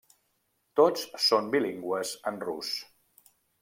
Tots són bilingües en rus.